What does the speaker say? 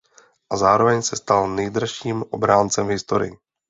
A zároveň se stal nejdražším obráncem v historii.